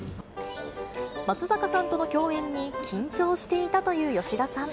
松坂さんとの共演に緊張していたという吉田さん。